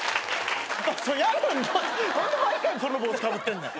何で毎回その帽子かぶってんねん。